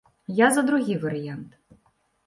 Я за другі варыянт.